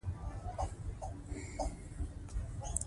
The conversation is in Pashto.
د کونډو او بېوزلو لاسنیوی وکړئ.